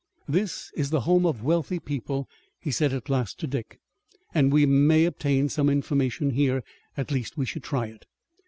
"This is the home of wealthy people," he said at last to Dick, "and we may obtain some information here. At least we should try it."